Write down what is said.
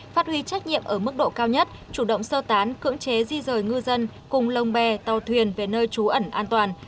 phát huy trách nhiệm ở mức độ cao nhất chủ động sơ tán cưỡng chế di rời ngư dân cùng lồng bè tàu thuyền về nơi trú ẩn an toàn